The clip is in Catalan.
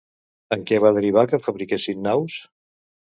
En què va derivar que fabriquessin naus?